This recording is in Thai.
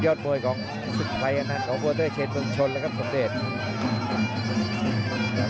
ยอดมวยของสุดท้ายอันนั้นของวัตเตอร์เชศเมืองชนแล้วครับสมเดชน์